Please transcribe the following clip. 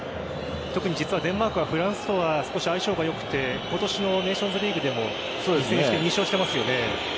特にデンマークはフランスとは少し相性が良くて今年のネーションズリーグでも２戦して２勝してますよね。